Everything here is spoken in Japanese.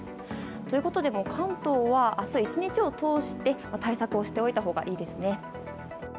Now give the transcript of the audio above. ということで、関東は明日１日を通して対策をしておいたほうがいいですね。